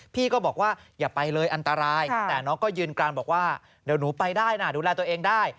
พี่ก็บอกว่าอย่าไปเลยอันตรายแต่น้องก็ยืนกรานบอกว่าเดี๋ยวหนูไปได้นะดูแลตัวเองได้